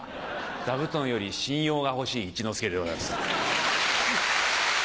座布団より信用が欲しい一之輔でございます。